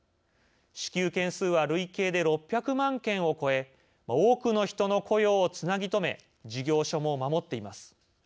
支給件数は累計で６００万件を超え多くの人の雇用をつなぎとめ事業所も守っています。